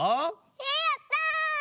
えやった！